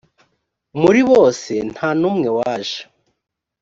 muribose ntanumwe waje.